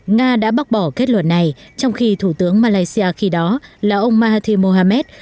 nga đã bác bỏ kết luận này trong khi thủ tướng malaysia khi đó là ông mahathir mohamed